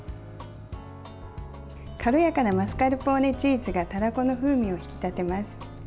軽やかなマスカルポーネチーズがたらこの風味を引き立てます。